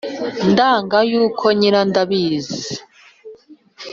ndanga yuko nyirandabizi